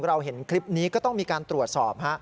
เราเห็นคลิปนี้ก็ต้องมีการตรวจสอบ